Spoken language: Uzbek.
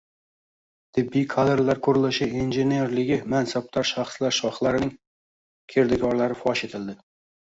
Tibbiy kadrlar qurilishi ininiringli mansabdor shaxslar shoxlarining kirdikorlari fosh etildi